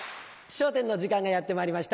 『笑点』の時間がやってまいりました。